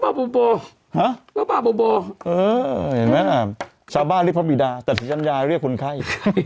เออเห็นมั้ยอ่ะชาวบ้านเรียกพระมีดาแต่ศิกรรมยาเรียกคนไข้